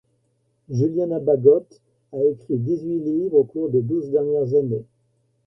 Julianna Baggott a écrit dix-huit livres au cours des douze dernières années.